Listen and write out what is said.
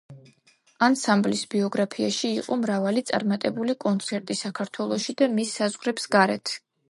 ანსამბლის ბიოგრაფიაში იყო მრავალი წარმატებული კონცერტი საქართველოში და მის საზღვრებს გარეთ.